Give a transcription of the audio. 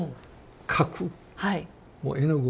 描く絵の具。